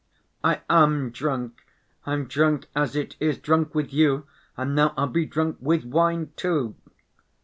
"I am drunk! I'm drunk as it is ... drunk with you ... and now I'll be drunk with wine, too."